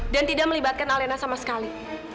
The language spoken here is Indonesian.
dan tidak melibatkan alena sama sekali